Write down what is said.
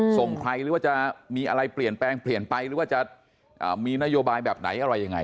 ส่งใครหรือว่าจะมีอะไรเปลี่ยนแปลงเปลี่ยนไปหรือว่าจะมีนโยบายแบบไหนอะไรยังไง